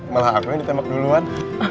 malah aku yang ditembak duluan